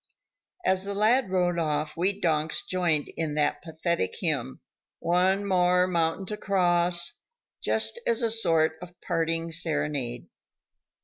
As the lad rode off we donks joined in that pathetic hymn: "One more mountain to cross," just as a sort of parting serenade.